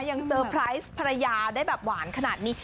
ยังสเตอร์ปรัย่าได้แบบหวานขนาดนี้